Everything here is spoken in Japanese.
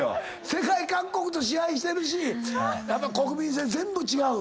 世界各国と試合してるしやっぱ国民性全部違う。